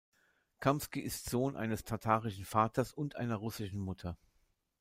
Kamsky ist Sohn eines tatarischen Vaters und einer russischen Mutter.